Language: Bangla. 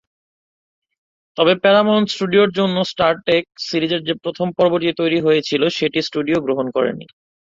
তবে প্যারামাউন্ট স্টুডিওর জন্য স্টার ট্রেক সিরিজের যে প্রথম পর্বটি তৈরি করা হয়েছিল সেটি স্টুডিও গ্রহণ করেনি।